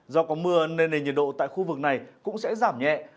do có mưa nên nền nhiệt độ tại khu vực này cũng sẽ giảm nhẹ